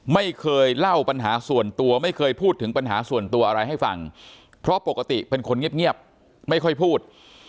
ไม่เคยเล่าปัญหาส่วนตัวไม่เคยพูดถึงปัญหาส่วนตัวอะไรให้ฟังเพราะปกติเป็นคนเงียบไม่ค่อยพูด